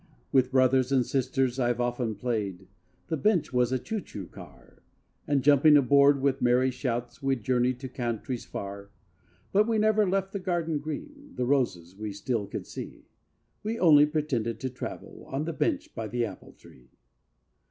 With brothers and sisters I've often played— The bench was a " choo choo " car, And jumping aboard with merry shouts, We'd journey to countries far. But we never left the garden green, The roses we still could see; We only pretended to travel On the bench by the apple tree.